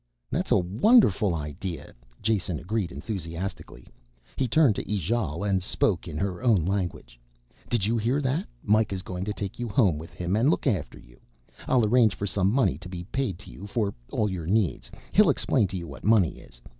"That's a wonderful idea," Jason agreed enthusiastically. He turned to Ijale and spoke in her own language. "Did you hear that? Mikah is going to take you home with him and look after you. I'll arrange for some money to be paid to you for all your needs, he'll explain to you what money is.